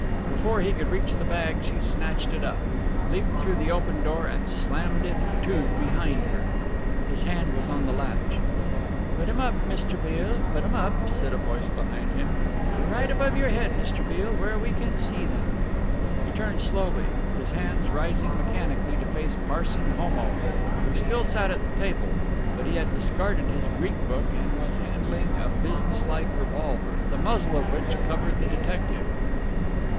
Before he could reach the bag she snatched it up, leapt through the open door and slammed it to behind her. His hand was on the latch "Put 'em up, Mr. Beale, put 'em up," said a voice behind him. "Right above your head, Mr. Beale, where we can see them." He turned slowly, his hands rising mechanically to face Parson Homo, who still sat at the table, but he had discarded his Greek book and was handling a business like revolver, the muzzle of which covered the detective.